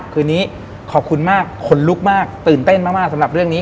คืนนี้ขอบคุณมากขนลุกมากตื่นเต้นมากสำหรับเรื่องนี้